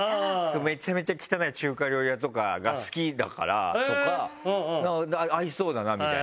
めちゃめちゃ汚い中華料理屋とかが好きだからとか合いそうだなみたいな。